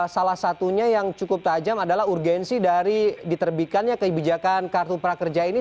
salah satunya yang cukup tajam adalah urgensi dari diterbitkannya kebijakan kartu prakerja ini